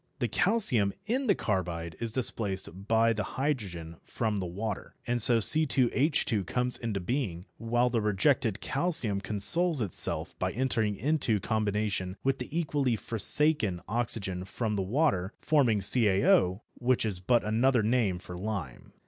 The calcium in the carbide is displaced by the hydrogen from the water, and so C_H_ comes into being, while the rejected calcium consoles itself by entering into combination with the equally forsaken oxygen from the water, forming CaO, which is but another name for lime.